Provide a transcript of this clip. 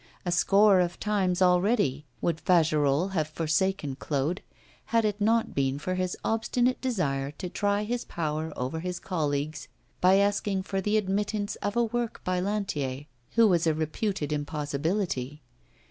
A score of times already would Fagerolles have forsaken Claude, had it not been for his obstinate desire to try his power over his colleagues by asking for the admittance of a work by Lantier, which was a reputed impossibility.